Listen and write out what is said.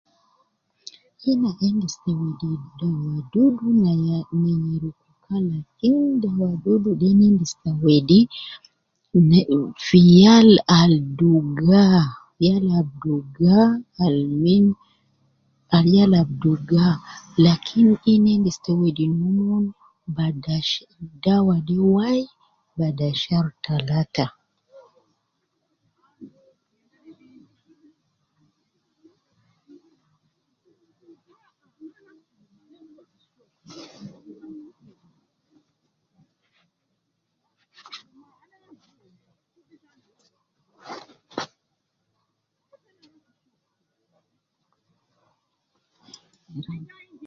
Ina endis te wedi, te dawa dudu ne ya ne nyereku , dawa dudu de na endis te wedi ne fi yal al duga, yal al duga al min, al yal ab duga, lakin ina endis te wedi ne omon bada sha, dawa de wai bada shar talata.